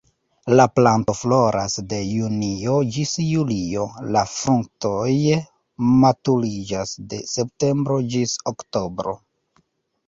La planto floras de junio ĝis julio, la fruktoj maturiĝas de septembro ĝis oktobro.